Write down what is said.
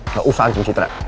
gak usah ancing citra